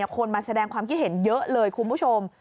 คนมาแสดงความคิดเห็นเยอะเลยคุณผู้ชม